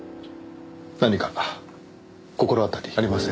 何か心当たりありませんか？